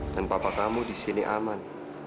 dan papa kamu di sini aman